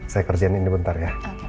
saya kerjain ini bentar ya